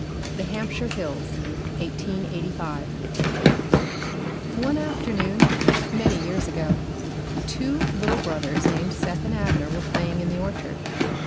+THE HAMPSHIRE HILLS+ THE HAMPSHIRE HILLS One afternoon many years ago two little brothers named Seth and Abner were playing in the orchard.